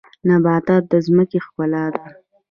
نباتات د ځمکې ښکلا ده